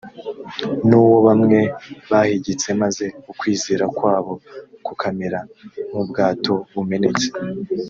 nuwo bamwe bahigitse maze ukwizera kwabo kukamera nk ubwato bumenetse